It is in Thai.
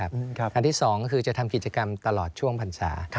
อันที่๒ก็คือจะทำกิจกรรมตลอดช่วงพรรษา